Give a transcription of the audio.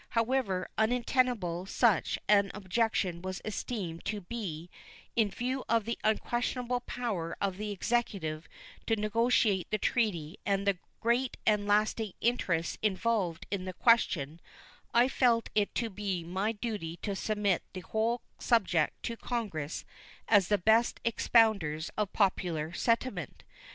However untenable such an objection was esteemed to be, in view of the unquestionable power of the Executive to negotiate the treaty and the great and lasting interests involved in the question, I felt it to be my duty to submit the whole subject to Congress as the best expounders of popular sentiment.